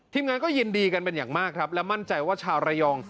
งานก็ยินดีกันเป็นอย่างมากครับและมั่นใจว่าชาวระยอง